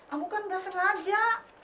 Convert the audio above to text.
amu kan tidak sengaja